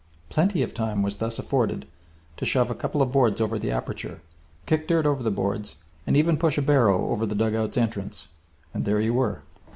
Plenty of time was thus afforded to shove a couple of boards over the aperture, kick dirt over the boards, and even push a barrow over the dugout's entrance and there you were!